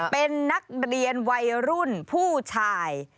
เป็นนักเรียนวัยรุ่นผู้ชาย